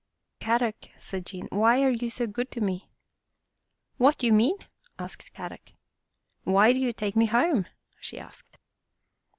" Kadok," said Jean, " why are you so good to me?" " What you mean? " asked Kadok. " Why do you take me home? " she asked.